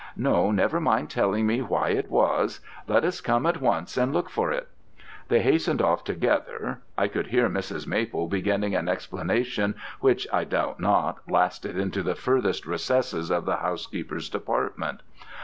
'No, never mind telling me why it was: let us come at once and look for it.' They hastened off together. I could hear Mrs. Maple beginning an explanation which, I doubt not, lasted into the furthest recesses of the housekeeper's department.